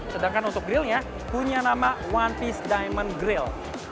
sedangkan untuk grillnya punya nama one peace diamond grill